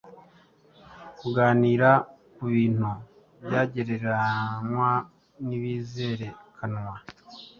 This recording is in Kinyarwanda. Kuganira kubintu byagereranywa nibizerekanwa